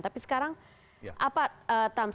tapi sekarang apa tama